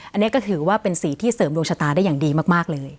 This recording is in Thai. อันนี้ก็ถือว่าเป็นสีที่เสริมดวงชะตาได้อย่างดีมากเลย